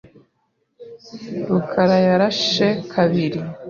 rukarayarashe kabiri.